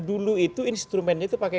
dulu itu instrumennya itu pakai